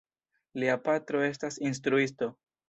Lia patro estas instruisto.